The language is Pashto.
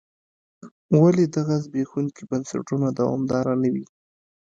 ولې دغه زبېښونکي بنسټونه دوامداره نه وي.